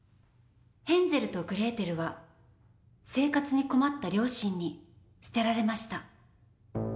ヘンゼルとグレーテルは生活に困った両親に捨てられました。